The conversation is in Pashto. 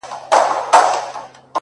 داسي دي سترگي زما غمونه د زړگي ورانوي ـ